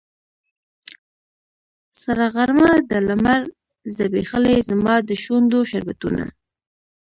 سره غرمه ده لمر ځبیښلې زما د شونډو شربتونه